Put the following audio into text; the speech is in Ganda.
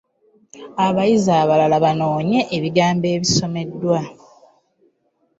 Abayizi abalala banoonye ebigambo ebisomeddwa.